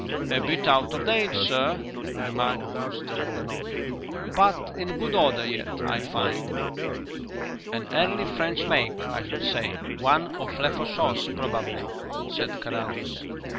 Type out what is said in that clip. "A bit out of date, sir," remarked Brewster, with a nod. "But in good order yet, I find." "An early French make, I should say; one of Lefaucheux's probably," said Carrados.